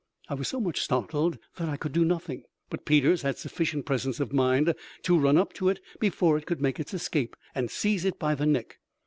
I was so much startled that I could do nothing, but Peters had sufficient presence of mind to run up to it before it could make its escape, and seize it by the neck.